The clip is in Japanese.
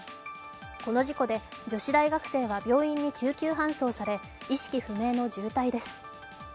この事故で女子大学生は病院に救急搬送され意識不明の重体です。